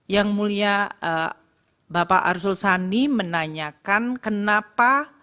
yang mulia bapak arsul sandi menanyakan kenapa